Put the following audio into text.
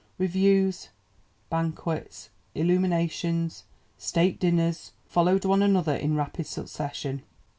Reviews, banquets, illuminations, state dinners followed one another in rapid succession.